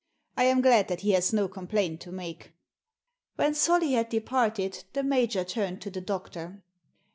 I am glad that he has no complaint to make." When Solly had departed the major turned to the doctor.